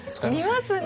見ますね。